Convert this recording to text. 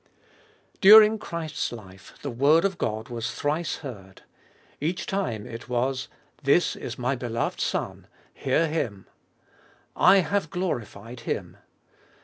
4. During Christ's life the word of God was thrice heard. Each time it was :" This is My beloved Son : hear Him." " I have glorified Him."